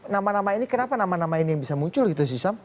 nama nama ini kenapa nama nama ini yang bisa muncul gitu sih sam